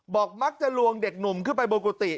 มักจะลวงเด็กหนุ่มขึ้นไปบนกุฏิ